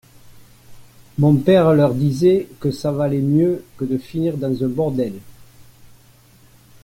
Mon père leur disait que ça valait mieux que de finir dans un bordel.